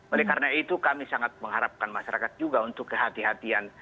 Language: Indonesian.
oleh karena itu kami sangat mengharapkan masyarakat juga untuk kehatian